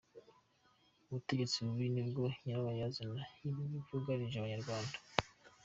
Ubutegetsi bubi nibwo nyirabayazana y’ibibi byugarije abanyarwanda.